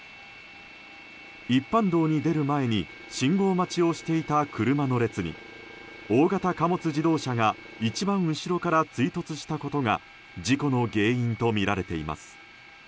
一般道に出る前に信号待ちをしていた車の列に大型貨物自動車が一番後ろから追突したことが事故の原因とみられています。